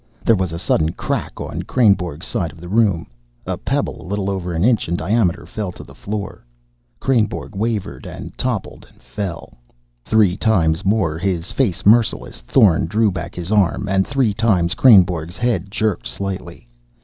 There was a sudden crack on Kreynborg's side of the room. A pebble a little over an inch in diameter fell to the floor. Kreynborg wavered, and toppled and fell. Three times more, his face merciless, Thorn drew back his arm, and three times Kreynborg's head jerked slightly.